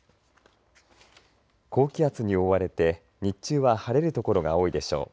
高気圧に覆われて日中は晴れる所が多いでしょう。